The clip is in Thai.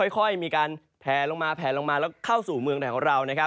ค่อยมีการแผลลงมาแล้วเข้าสู่เมืองแถวเรา